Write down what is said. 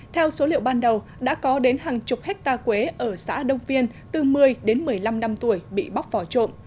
theo số liệu ban đầu đã có đến hàng chục hectare quế ở xã đông phiên từ một mươi đến một mươi năm năm tuổi bị bóc vỏ trộm